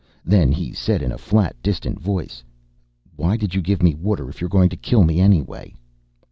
Then he said in a flat, distant voice: "Why did you give me water, if you're going to kill me anyway?"